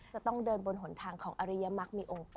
จะต้องเดินบนหนทางของอริยมักมีองค์กร